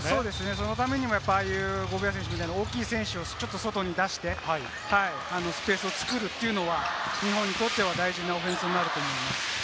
そのためにもゴベア選手みたいな大きい選手を外に出してスペースを作るというのは日本にとっては大事なオフェンスになると思います。